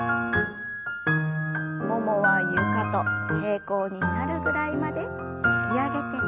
ももは床と平行になるぐらいまで引き上げて。